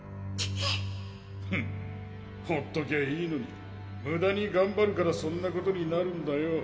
フンほっときゃいいのにむだにがんばるからそんなことになるんだよ